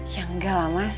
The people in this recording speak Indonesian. ya enggak lah mas